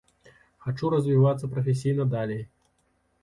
Хачу развівацца прафесійна далей.